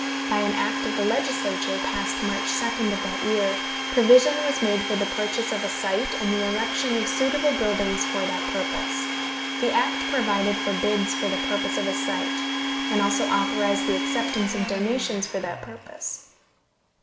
By an act of the legislature, passed March 2d of that year, provision was made for the purchase of a site and the erection of suitable buildings for that purpose. The act provided for bids for the purpose of a site, and also authorized the acceptance of donations for that purpose.